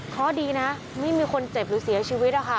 ข้อดีนะไม่มีคนเจ็บหรือเสียชีวิตค่ะ